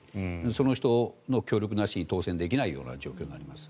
その人の協力なしに当選できないような状況になります。